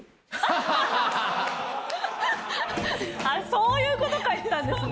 そういう事書いてたんですね。